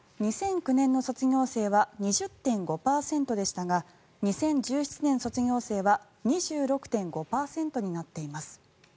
２００９年の卒業生は２０．５％でしたが２０１７年卒業生は２６．５％になっています。